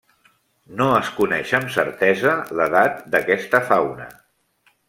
No es coneix amb certesa l'edat d'aquesta fauna.